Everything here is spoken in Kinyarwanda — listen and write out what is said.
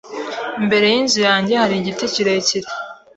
Imbere yinzu yanjye hari igiti kirekire.